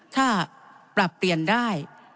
ถ้าปรับเปลี่ยนได้